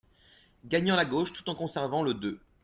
Gagnant la gauche, tout en conservant le deux.